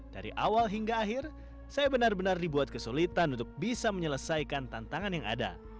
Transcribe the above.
dari awal hingga akhir saya benar benar dibuat kesulitan untuk bisa menyelesaikan tantangan yang ada